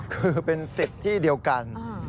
คือเป็น๑๐ที่เดียวกัน